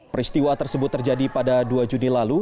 peristiwa tersebut terjadi pada dua juni lalu